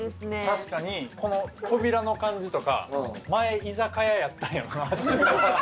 確かにこの扉の感じとか前居酒屋やったんやろうなって。